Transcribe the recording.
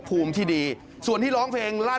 ก็ตอบได้คำเดียวนะครับ